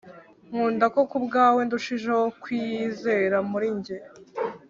nkunda ko kubwawe ndushijeho kwiyizera muri njye